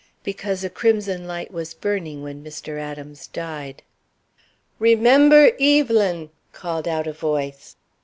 "Because a crimson light was burning when Mr. Adams died." "Remember Evelyn!" called out a voice.